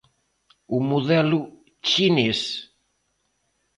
O modelo chinés.